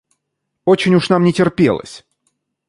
Очень уж нам не терпелось.